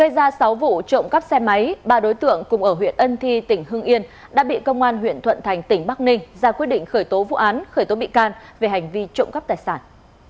ra sáu vụ trộm cắp xe máy ba đối tượng cùng ở huyện ân thi tỉnh hưng yên đã bị công an huyện thuận thành tỉnh bắc ninh ra quyết định khởi tố vụ án khởi tố bị can về hành vi trộm cắp tài sản